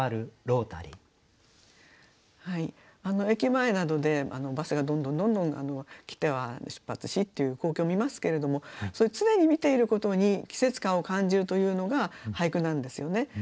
駅前などでバスがどんどんどんどん来ては出発しっていう光景を見ますけれども常に見ていることに季節感を感じるというのが俳句なんですよね。